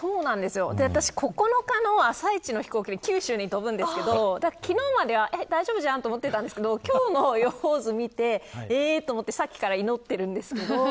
私９日の朝一の飛行機で九州に飛ぶんですけど昨日までは、大丈夫じゃんと思っていたんですけど今日の予報図を見てえーっと思って、さっきから祈っているんですけど。